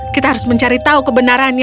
kita harus mencari tahu kebenarannya